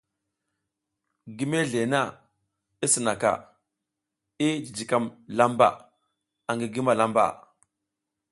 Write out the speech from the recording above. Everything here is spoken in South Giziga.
Gi mezle na i sinaka, i jijikam lamba angi gi malambaʼa.